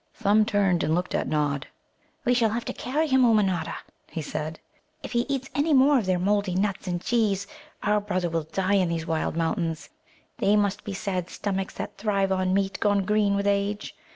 Thumb turned and looked at Nod. "We shall have to carry him, Ummanodda," he said. "If he eats any more of their mouldy nuts and cheese our brother will die in these wild mountains. They must be sad stomachs that thrive on meat gone green with age.